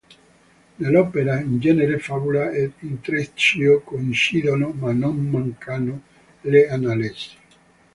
Nell'opera in genere fabula ed intreccio coincidono, ma non mancano le analessi.